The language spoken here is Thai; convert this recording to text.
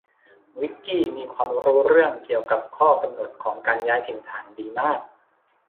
วิคกี้มีความรู้เรื่องเกี่ยวกับข้อกำหนดของการย้ายถิ่นฐานดีมาก